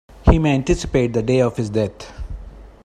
He may anticipate the day of his death.